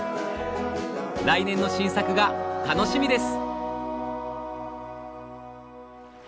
来年の新作が楽しみです！